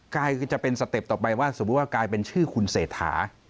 กลายเป็นสเต็ปต่อไปว่าสมมุติว่ากลายเป็นชื่อคุณเศรษฐา